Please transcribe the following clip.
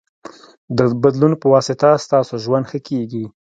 د بدلون پواسطه ستاسو ژوند ښه کېږي.